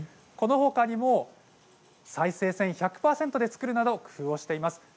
このほかにも再生繊維１００％で作れる工夫をしています。